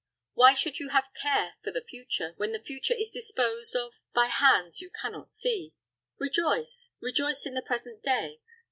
Why should you have care for the future, when the future is disposed of by hands you can not see? Rejoice! rejoice in the present day!